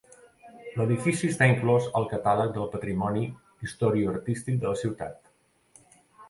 L'edifici està inclòs al catàleg del patrimoni historicoartístic de la ciutat.